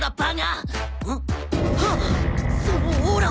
そのオーラは！